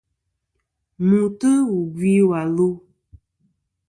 Mùtɨ wù gvi wà lu.